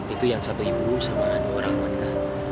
itu yang satu ibu sama dua orang wanita